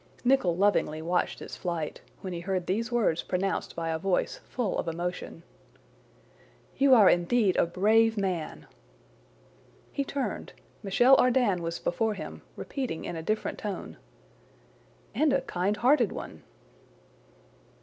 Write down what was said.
Nicholl lovingly watched its flight, when he heard these words pronounced by a voice full of emotion: "You are indeed a brave man." He turned. Michel Ardan was before him, repeating in a different tone: "And a kindhearted one!"